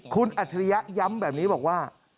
คุณอัจฉริยะย้ำแบบนี้บอกว่า